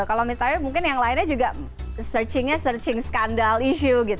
kalau misalnya mungkin yang lainnya juga searchingnya searching skandal isu gitu